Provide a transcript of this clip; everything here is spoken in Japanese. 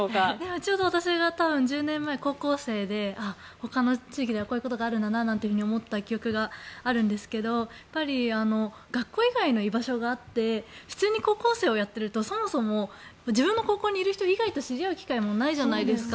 ちょうど１０年前私は高校生でほかの地域ではこんなことがあるんだなと思った記憶があるんですが学校以外の居場所があって普通に高校生をやっているとそもそも自分の高校にいる人以外と知り合う機会もないじゃないですか。